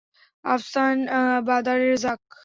Afshan Badar Rezaq.